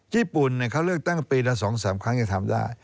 ญี่ปุ่นเขาเลือกตั้งปีละ๒๓ครั้งจะทำได้